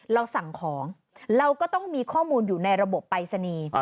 เราสั่งของเราก็ต้องมีข้อมูลอยู่ในระบบปรายศนีย์